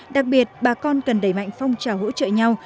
đặc biệt bà con cần đẩy mạnh phong trào hỗ trợ nhau